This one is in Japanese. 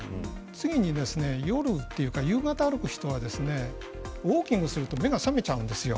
次に夜というか夕方に歩く人はウォーキングをやると目が覚めてしまうんです。